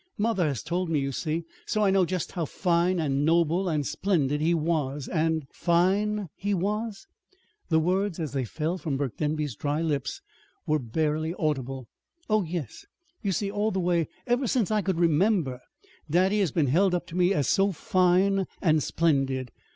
Mother has told me, you see. So I know just how fine and noble and splendid he was, and " "Fine he was?" The words, as they fell from Burke Denby's dry lips were barely audible. "Oh, yes. You see, all the way, ever since I could remember, daddy has been held up to me as so fine and splendid.